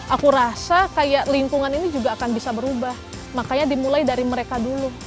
aku rasa kayak lingkungan ini juga akan bisa berubah makanya dimulai dari mereka dulu